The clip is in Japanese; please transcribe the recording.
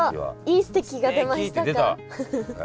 いい「すてき！」が出ましたか。